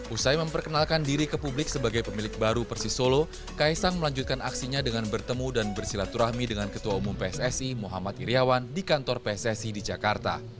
usai memperkenalkan diri ke publik sebagai pemilik baru persis solo kaisang melanjutkan aksinya dengan bertemu dan bersilaturahmi dengan ketua umum pssi muhammad iryawan di kantor pssi di jakarta